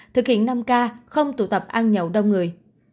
thực hiện năm k không tụ tập ăn nhậu đông người